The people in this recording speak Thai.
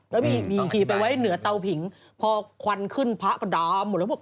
แล้วมีอีกทีไปไว้เหนือเตาผิงพอควันขึ้นพระก็ดำ